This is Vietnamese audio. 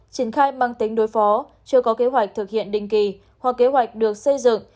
triển khai mang tính đối phó chưa có kế hoạch thực hiện định kỳ hoặc kế hoạch được xây dựng